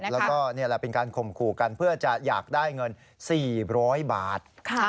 แล้วก็นี่แหละเป็นการข่มขู่กันเพื่อจะอยากได้เงิน๔๐๐บาท